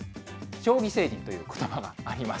将棋星人ということばがあります。